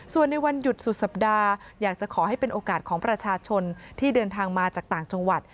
ส่วนในวันหยุดสุดสัปดาห์อยากจะขอให้เป็นโอกาสของประชาชนที่เดินทางมาจากต่างจังหวัด